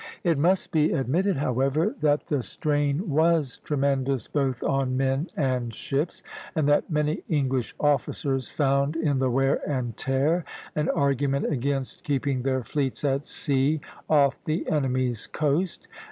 " It must be admitted, however, that the strain was tremendous both on men and ships, and that many English officers found in the wear and tear an argument against keeping their fleets at sea off the enemy's coast.